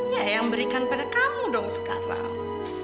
ya yang berikan pada kamu dong sekarang